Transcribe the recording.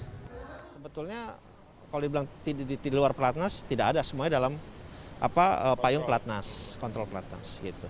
sebetulnya kalau dibilang di luar pelatnas tidak ada semuanya dalam payung pelatnas kontrol pelatnas